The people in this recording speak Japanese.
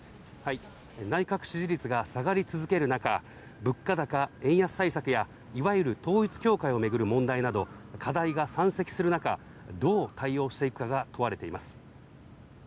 内閣支持率が下がり続ける中、物価高・円安対策や、いわゆる統一教会を巡る問題など課題が山積する中、どう対応していくかが問われています。